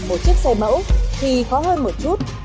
một chiếc xe mẫu thì khó hơn một chút